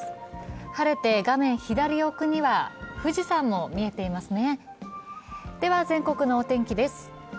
晴れて画面左奥には富士山も見えていますね。